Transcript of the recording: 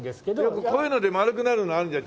よくこういうので丸くなるのあるじゃん。